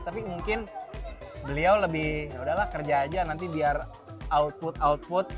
tapi mungkin beliau lebih yaudahlah kerja aja nanti biar output output